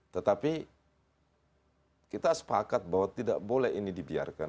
tetapi kita sepakat bahwa tidak boleh ini dibiarkan